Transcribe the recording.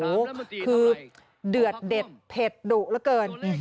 โหคือเดือดเด็ดเผ็ดดุละเกิน